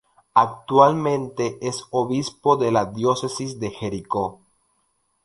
Actualmente es obispo de la Diócesis de Jericó.